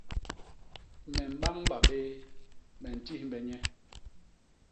Me mbañba béé, me timbhe nye.